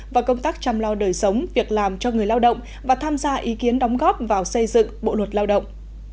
và công tác chăm lo đời sống việc làm cho người lao động và tham gia ý kiến đóng góp vào xây dựng bộ luật lao động